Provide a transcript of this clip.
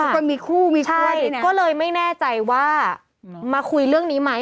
ทุกคนมีคู่มีคู่ด้วยนะใช่ก็เลยไม่แน่ใจว่ามาคุยเรื่องนี้ไหม